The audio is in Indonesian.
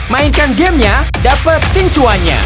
mainkan gamenya dapet ting cuanya